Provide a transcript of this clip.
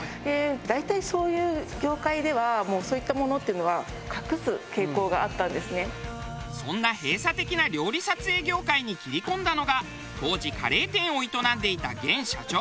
大体そういう業界ではそんな閉鎖的な料理撮影業界に切り込んだのが当時カレー店を営んでいた現社長。